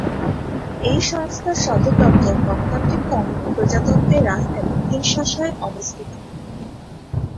এই সংস্থার সদর দপ্তর গণতান্ত্রিক কঙ্গো প্রজাতন্ত্রের রাজধানী কিনশাসায় অবস্থিত।